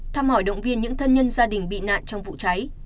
thăm hỏi động viên những thân nhân gia đình bị nạn trong vụ cháy